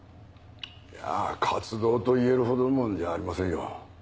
いやぁ活動と言えるほどのもんじゃありませんよ。